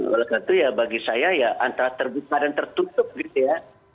oleh karena itu ya bagi saya ya antara terbuka dan tertutup gitu ya